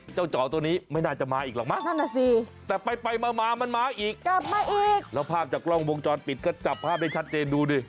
เจ้าจ๋อตัวนี้ไม่น่าจะมาอีกหรอกมั้ยแต่ไปมามันมาอีกแล้วภาพจากกล้องวงจรปิดก็จับภาพได้ชัดเจนดูดิ